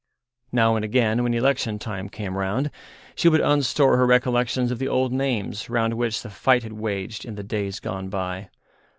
Now and again, when election time came round, she would unstore her recollections of the old names round which the fight had waged in the days gone by.